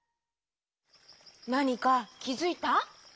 なにかきづいた？